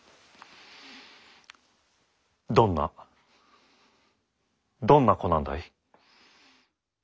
どんなどんな子なんだい？